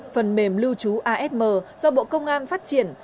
phần mềm lưu trú asm do bộ công an phát triển